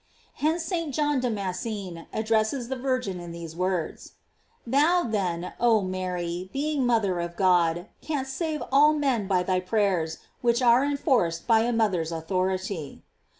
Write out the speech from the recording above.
Hence St. John Damascene addresses the Virgin in these words: Thou, then, oh Mary, being mother of God, canst save all men by thy prayers, which are enforced by a mother's au thority.